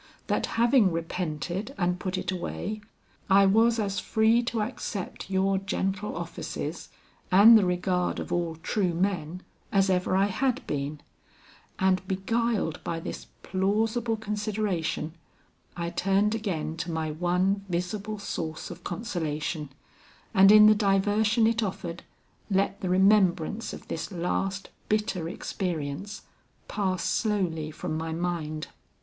That having repented and put it away, I was as free to accept your gentle offices and the regard of all true men, as ever I had been; and beguiled by this plausible consideration, I turned again to my one visible source of consolation, and in the diversion it offered, let the remembrance of this last bitter experience pass slowly from my mind.